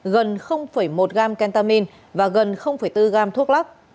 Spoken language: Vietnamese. gần một gam kentamin và gần bốn gam thuốc lắc